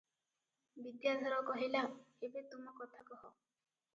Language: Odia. ବିଦ୍ୟାଧର କହିଲା, "ଏବେ ତୁମ କଥା କହ ।